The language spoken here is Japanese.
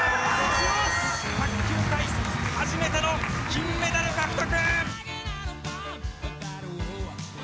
卓球界初めての金メダル獲得！